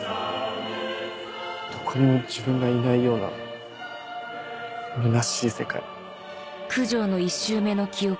どこにも自分がいないようなむなしい世界。